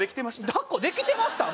だっこできてました？